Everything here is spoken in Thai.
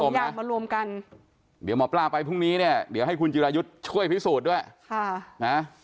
ยางมารวมกันเดี๋ยวหมอปลาไปพรุ่งนี้เนี่ยเดี๋ยวให้คุณจิรายุทธ์ช่วยพิสูจน์ด้วยค่ะนะ